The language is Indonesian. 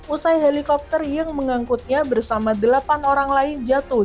usai helikopter yang mengangkutnya bersama delapan orang lain jatuh